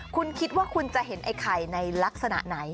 คุณคิดว่าคุณจะเห็นไอ้ไข่ในลักษณะไหน